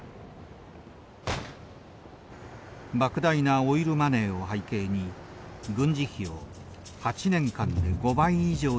莫大なオイルマネーを背景に軍事費を８年間で５倍以上に拡大。